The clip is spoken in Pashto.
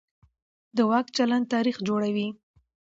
د واک چلند تاریخ جوړوي